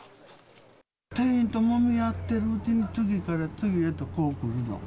店員ともみ合ってるうちに、次から次へとこう来るの。